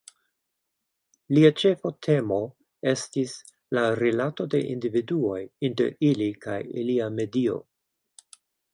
Lia ĉefa temo estis la rilato de individuoj inter ili kaj ilia medio.